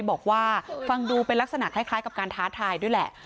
บอกว่าฟังดูเป็นลักษณะคล้ายกับการท้าทายด้วยแหละ